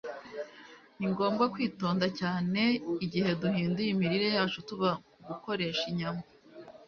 ni ngombwa kwitonda cyane igihe duhinduye imirire yacu tuva ku gukoresha inyama